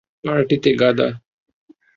পার্টিতে, গাদা!